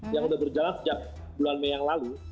yang sudah berjalan sejak bulan mei yang lalu